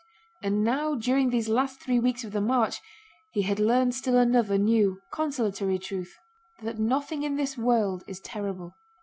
And now during these last three weeks of the march he had learned still another new, consolatory truth—that nothing in this world is terrible.